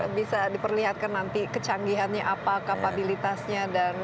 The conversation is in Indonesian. jadi bisa diperlihatkan nanti kecanggihannya apa kapabilitasnya dan